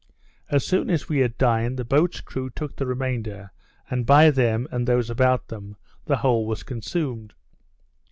As soon as we had dined, the boat's crew took the remainder; and by them, and those about them, the whole was consumed.